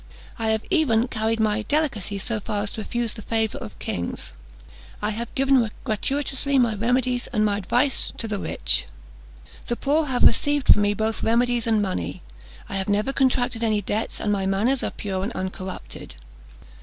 I have even carried my delicacy so far as to refuse the favours of kings. I have given gratuitously my remedies and my advice to the rich; the poor have received from me both remedies and money. I have never contracted any debts, and my manners are pure and uncorrupted."